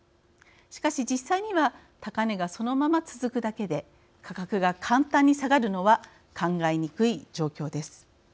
しかし実際には高値がそのまま続くだけで価格が簡単に下がるのは考えにくい状況です。